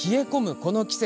この季節。